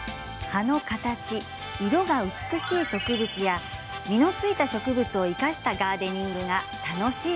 冬は葉の形、色が美しい植物や実のついた植物を生かしたガーデニングが楽しい